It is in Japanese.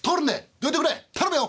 どいてくれ頼むよ。